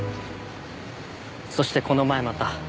そしてこの前また。